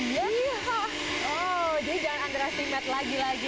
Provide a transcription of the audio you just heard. jadi jangan underestimate lagi lagi